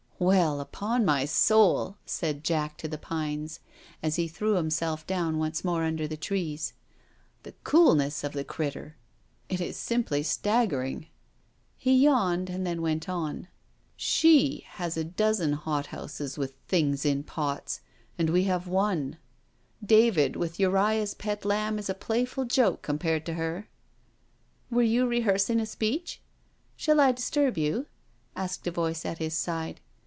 " Well^ upon my soull " said Jack to the pines^ as he threw himself down once more under the trees. " The coolness of the critturl It is simply staggering." He yawned and then went on: She has a dozen hot houses with 'things in pots/ and we have one I David with Uriah's pet lamb is a playful joke com pared to her. •.•"" Were you rehearsing a speech? Shall I disturb you?" asked a voice at his side.